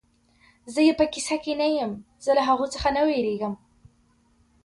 زه یې په کیسه کې نه یم، زه له هغو څخه نه وېرېږم.